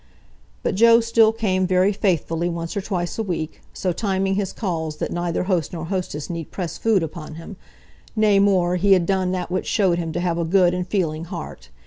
But Joe still came very faithfully once or twice a week, so timing his calls that neither host nor hostess need press food upon him—nay, more, he had done that which showed him to have a good and feeling heart.